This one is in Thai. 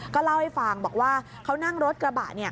ก็เล่าให้ฟังบอกว่าเขานั่งรถกระบะ